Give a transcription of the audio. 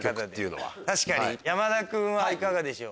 山田君はいかがでしょう？